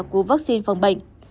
của vaccine phòng bệnh